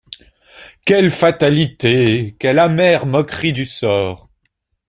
Quelle fatalité! quelle amère moquerie du sort !